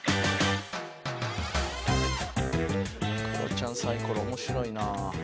クロちゃんサイコロ面白いな。